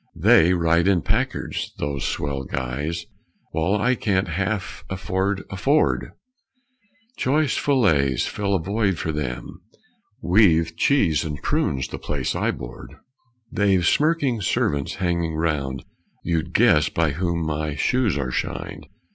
They ride in Packards, those swell guys, While I can't half afford a Ford; Choice fillets fill a void for them, We've cheese and prunes the place I board; They've smirking servants hanging round, You'd guess by whom my shoes are shined.